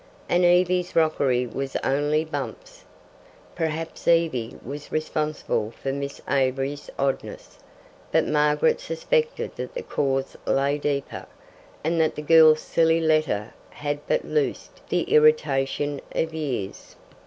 And Evie's rockery was only bumps. Perhaps Evie was responsible for Miss Avery's oddness. But Margaret suspected that the cause lay deeper, and that the girl's silly letter had but loosed the irritation of years.